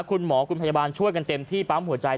คุณหมอคุณพยาบาลช่วยกันเต็มที่ปั๊มหัวใจ